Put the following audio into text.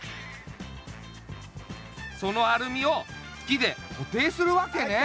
そのアルミを木でこていするわけね。